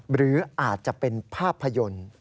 หรืออาจจะเป็นภาพยนตร์